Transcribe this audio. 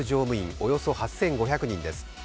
およそ８５００人です。